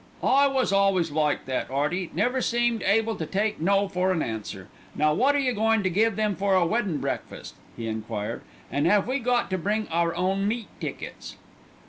"I was always like that, 'Earty. Never seemed able to take no for an answer. Now wot are you goin' to give 'em for a weddin' breakfast?" he enquired. "An' 'ave we got to bring our own meat tickets?"